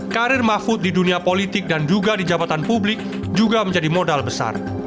karir mahfud di dunia politik dan juga di jabatan publik juga menjadi modal besar